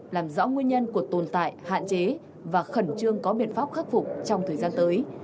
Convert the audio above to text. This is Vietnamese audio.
làm rõ nguyên nhân của tồn tại hạn chế và khẩn trương có biện pháp khắc phục trong thời gian tới